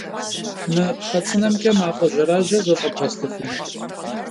Mı pxhe ts'ınemç'e maf'e jeraje zeş'ebğestıfınu?